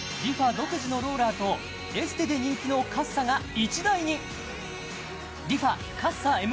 独自のローラーとエステで人気のカッサが１台にＲｅＦａＣＡＸＡＭ